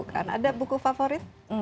kan ada buku favorit